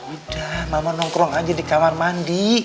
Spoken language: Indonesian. udah mama nongkrong aja di kamar mandi